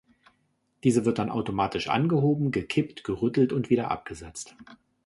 Diese wird dann automatisch angehoben, gekippt, gerüttelt und wieder abgesetzt.